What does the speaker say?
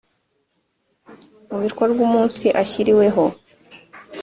mu bikorwa umunsi ashyiriweho